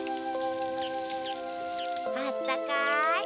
あったかい。